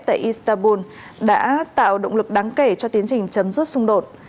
tại istanbul đã tạo động lực đáng kể cho tiến trình chấm dứt xung đột